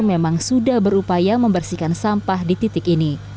memang sudah berupaya membersihkan sampah di titik ini